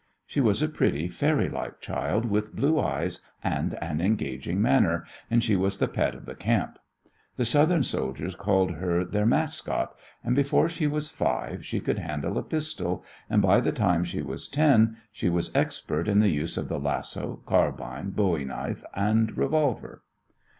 She was a pretty, fairy like child, with blue eyes and an engaging manner, and she was the pet of the camp. The Southern soldiers called her their mascot, and before she was five she could handle a pistol, and by the time she was ten she was expert in the use of the lasso, carbine, bowie knife, and revolver.